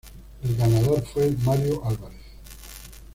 El ganador fue Mario Álvarez.